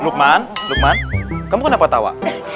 luqman luqman kamu kenapa tawa